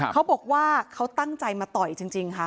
เขาบอกว่าเขาตั้งใจมาต่อยจริงค่ะ